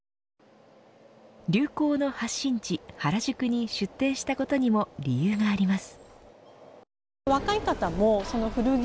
流行の発信地、原宿に出店したことにも理由があります。